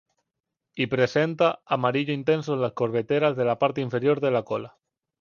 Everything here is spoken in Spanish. Y presenta amarillo intenso en las coberteras de la parte inferior de la cola.